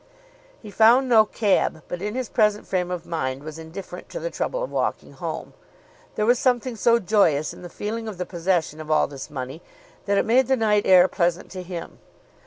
He found no cab, but in his present frame of mind was indifferent to the trouble of walking home. There was something so joyous in the feeling of the possession of all this money that it made the night air pleasant to him.